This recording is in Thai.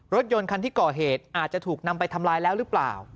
รถยนต์คันที่ก่อเหตุอาจจะถูกนำไปทำลายแล้วหรือเปล่า